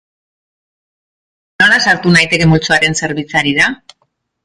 Nola sartu naiteke Multzoaren zerbitzarira?